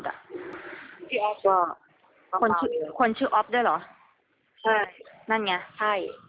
ที่อ๊อฟวัย๒๓ปี